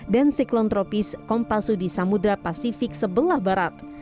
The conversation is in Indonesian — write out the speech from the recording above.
dan siklon tropis kompasu di samudera pasifik sebelah barat